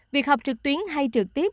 việc học trực tuyến hay trực tiếp